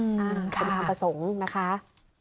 คำถามประสงค์นะคะ